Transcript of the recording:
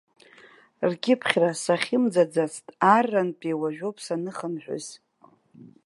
Ркьыԥхьра сахьымӡацт, аррантәи уажәоуп саныхынҳәыз.